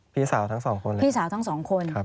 พี่สาวทั้งสองคน